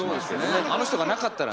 あの人がなかったらね。